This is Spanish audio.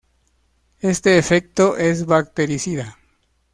Este efecto es bactericida.